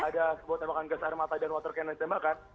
ada sebuah tembakan gas air mata dan water cannon ditembakkan